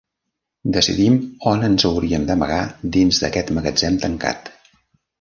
Decidim on ens hauríem d'amagar dins d'aquest magatzem tancat.